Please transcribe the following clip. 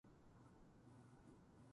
彼は言った、元気か。